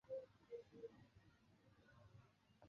卢齐阿尼亚是巴西戈亚斯州的一个市镇。